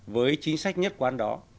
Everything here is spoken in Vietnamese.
với chính sách nhất quán đó